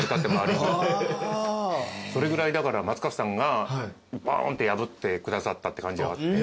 それぐらいだから松方さんがボーンって破ってくださったって感じ。